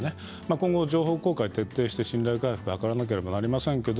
今後、情報公開を徹底して信頼回復を図らなければなりません。